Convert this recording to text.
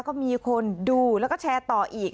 ก็มีคนดูแล้วก็แชร์ต่ออีก